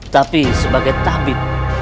tapi sebagai tabib